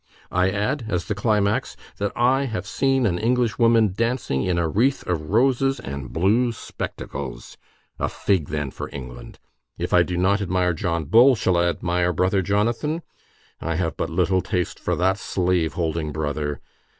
I add, as the climax, that I have seen an Englishwoman dancing in a wreath of roses and blue spectacles. A fig then for England! If I do not admire John Bull, shall I admire Brother Jonathan? I have but little taste for that slave holding brother.